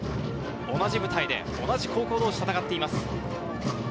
同じ舞台で、同じ高校同士戦っています。